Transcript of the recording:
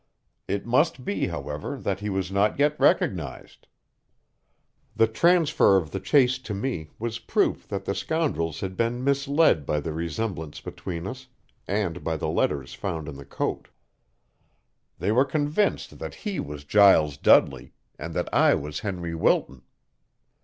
It must be, however, that he was not yet recognized. The transfer of the chase to me was proof that the scoundrels had been misled by the resemblance between us, and by the letters found in the coat. They were convinced that he was Giles Dudley, and that I was Henry Wilton.